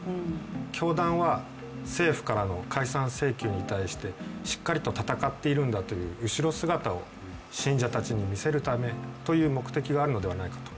教団は、政府からの解散請求に対してしっかりと闘っているんだという後ろ姿を信者たちに見せるためという目的があるのではないかと。